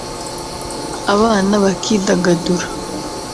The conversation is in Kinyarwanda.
abana bakidagadura